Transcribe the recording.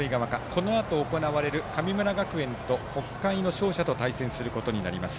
このあと行われる神村学園と北海の勝者と対戦することになります。